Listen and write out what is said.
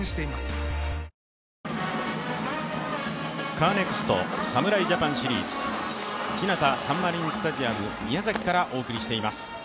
カーネクスト侍ジャパンシリーズ、ひなたサンマリンスタジアム宮崎からお送りしています。